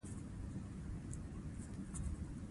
هغه د خپل زرغون پلاستيکي ماسک ترشا وویل